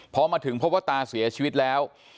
พอมาถึงพบว่าตาเสียชีวิตแล้ว